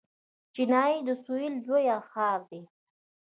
چنای د سویل لوی ښار دی.